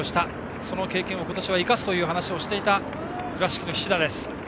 その経験を今年は生かすという話をしていた倉敷の菱田です。